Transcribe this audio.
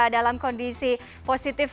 dalam kondisi positif